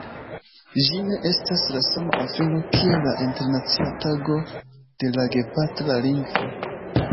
Ĝi ne estas la sama afero kiel la Internacia Tago de la Gepatra Lingvo.